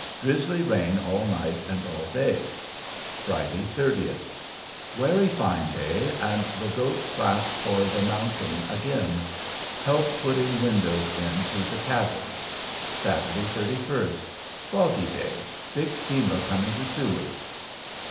Drisly rain all night and all day. Fri. 30th. Wary fin day and the goats vant for the montane igan. Help putting Windoes i to the Cabbin. Sat. 31st. Foggy day. Big steamer going to seward.